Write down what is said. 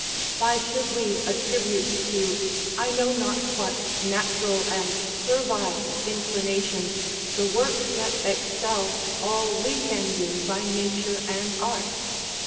Why should we attribute to I know not what natural and servile inclination the works that excel all we can do by nature and art?